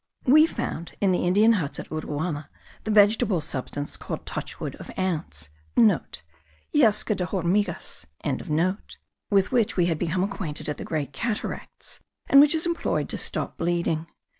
We found in the Indian huts at Uruana the vegetable substance called touchwood of ants,* (* Yesca de hormigas.) with which we had become acquainted at the Great Cataracts, and which is employed to stop bleeding.